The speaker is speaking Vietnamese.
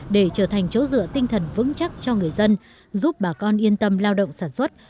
để trở thành chỗ dựa tinh thần vững chắc cho người dân giúp bà con yên tâm lao động sản xuất